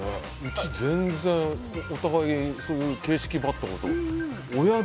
うちは全然、お互い形式ばったことは。